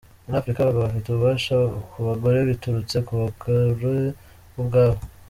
Muri Afurika abagabo bafite ububasha ku bagore biturutse ku bagore bo ubwabo”.